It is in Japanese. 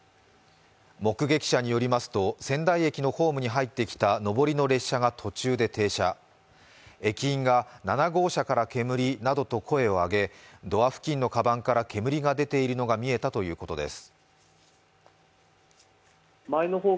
目撃者によりますと、仙台駅のホームに入ってきた上りの列車が途中で停車、駅員が７号車から煙などと声を上げ、ドア付近のかばんから煙が出ているのが見えたということです。